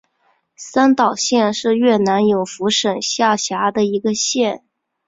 三岛县是越南永福省下辖的一个县。